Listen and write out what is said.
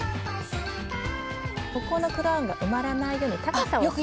ここのクラウンが埋まらないように高さをそろえる。